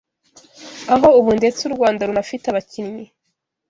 aho ubu ndetse u Rwanda runafite abakinnyi